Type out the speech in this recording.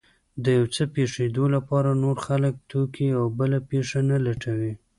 د يو څه پېښېدو لپاره نور خلک، توکي او بله پېښه نه لټوي.